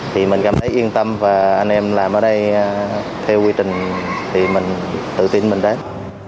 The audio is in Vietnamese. thì mình cảm thấy yên tâm và anh em làm ở đây theo quy trình thì mình tự tin mình đến